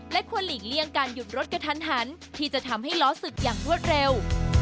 ควรหลีกเลี่ยงการหยุดรถกระทันหันที่จะทำให้ล้อศึกอย่างรวดเร็ว